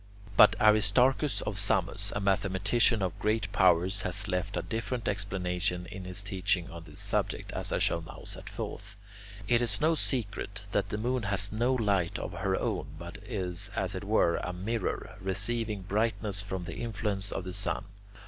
But Aristarchus of Samos, a mathematician of great powers, has left a different explanation in his teaching on this subject, as I shall now set forth. It is no secret that the moon has no light of her own, but is, as it were, a mirror, receiving brightness from the influence of the sun.